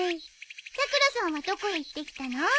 さくらさんはどこへ行ってきたの？